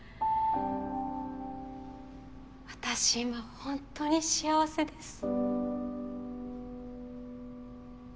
私今本当に幸せです。